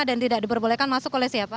dan tidak diperbolehkan ke siapa